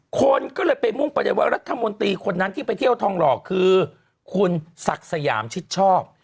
คนก็เลยไปมุ่งประเด็นว่ารัฐมนตรีคนนั้นที่ไปเที่ยวทองหล่อคือคุณศักดิ์สยามชิดชอบ